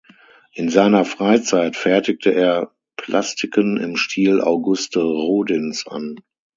In seiner Freizeit fertigte er Plastiken im Stil Auguste Rodins an.